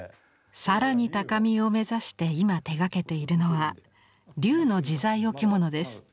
更に高みを目指して今手がけているのは龍の自在置物です。